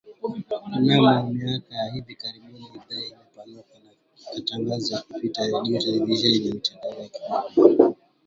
Mnamo miaka ya hivi karibuni idhaa imepanuka na inatangaza kupitia redio televisheni na mitandao ya kijamii